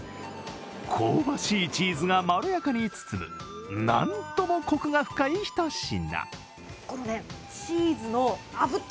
香ばしいチーズがまろやかに包むなんともこくが深いひと品。